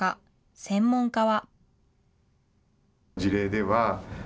専門家は。